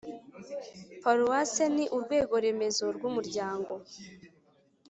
Paruwase ni urwego remezo rw Umuryango